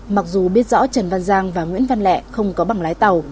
mặc dù biết rõ trần văn giang và nguyễn văn lẹ không có bằng lái tàu